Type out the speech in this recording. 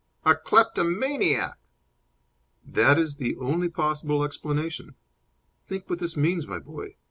"A kleptomaniac!" "That is the only possible explanation. Think what this means, my boy.